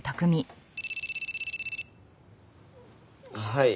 はい。